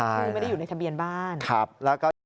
คือไม่ได้อยู่ในทะเบียนบ้าน